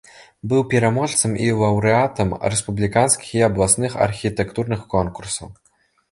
Быў пераможцам і лаўрэатам рэспубліканскіх і абласных архітэктурных конкурсаў.